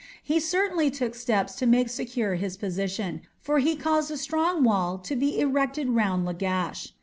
He certainly took steps to make secure his position, for he caused a strong wall to be erected round Lagash.